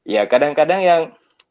ya kadang kadang yang